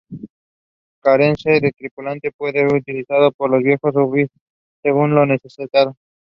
The incumbent was Labour group leader.